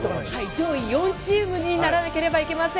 上位４チームにならなきゃいけません。